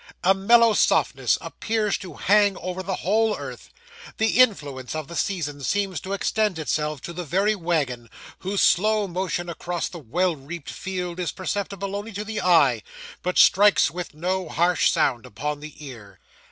A mellow softness appears to hang over the whole earth; the influence of the season seems to extend itself to the very wagon, whose slow motion across the well reaped field is perceptible only to the eye, but strikes with no harsh sound upon the ear.